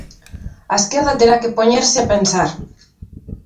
A esquerda terá que poñerse a pensar.